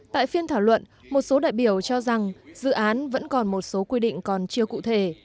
tại phiên thảo luận một số đại biểu cho rằng dự án vẫn còn một số quy định còn chưa cụ thể